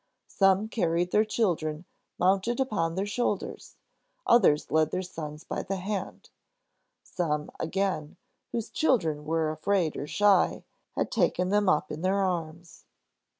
Some carried their children mounted upon their shoulders; others led their sons by the hand; some, again, whose children were afraid or shy, had taken them up in their arms.